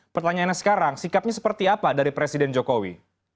pertanyaannya sekarang sikapnya seperti apa dari presiden jokowi